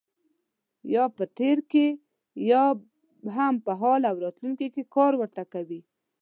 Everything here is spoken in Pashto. یا په تېر کې یا هم په حال او راتلونکي کې کار ورته کوي.